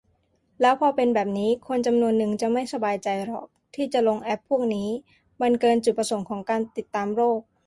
แล้วพอเป็นแบบนี้ คนจำนวนนึงจะไม่สบายใจหรอกที่จะลงแอปพวกนี้ มันเกินจุดประสงค์ของการติดตามโรค